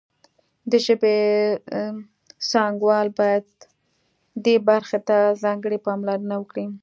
د ژبې څانګوال باید دې برخې ته ځانګړې پاملرنه وکړي